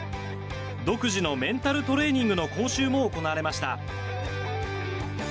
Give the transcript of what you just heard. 独自のメンタルトレーニングの講習も行われました。